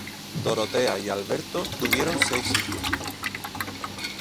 Dorotea y Alberto, tuvieron seis hijos;